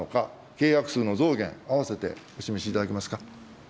契約数の増減、合わせてお示しいただけますか。